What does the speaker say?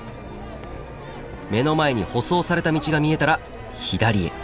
目の前に舗装された道が見えたら左へ。